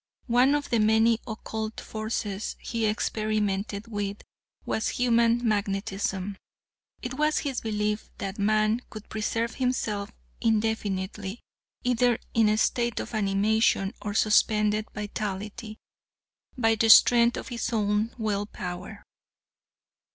One of the many occult forces he experimented with was human magnetism. It was his belief that man could preserve himself indefinitely, either in a state of animation or suspended vitality, by the strength of his own will power.